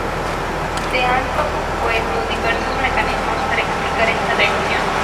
Se han propuesto diversos mecanismos para explicar esta reacción.